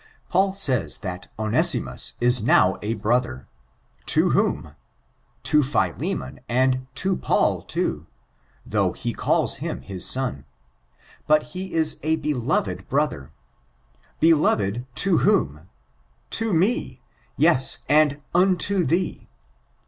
Paul says, that Onesimus is now a brother — to whom? To Philemon, and to Paul, too^ though he calls him his son : but he is a beloved brother — beloved to whomT — "to me;" yes, and "unto thee."